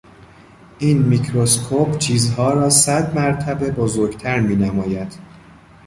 این میکروسکپ چیزها را صد مرتبه بزرگتر مینماید.